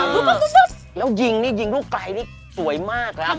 ทุบทุบแล้วยิงนี่ยิงรูปไกลนี่สวยมากแล้ว